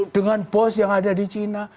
dengan bos yang ada di cina